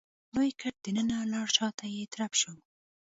لوی ګټ دننه لاړ شاته يې ترپ شو.